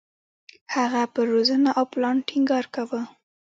هغه پر روزنه او پلان ټینګار کاوه.